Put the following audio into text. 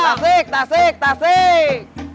tasik tasik tasik